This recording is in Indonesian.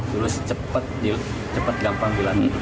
terus cepat cepat gampang bilangin